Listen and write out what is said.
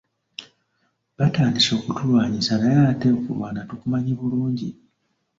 Batandise okutulwanyisa naye ate okulwana tukumanyi bulungi.